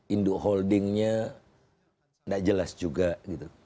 induk holdingnya tidak jelas juga gitu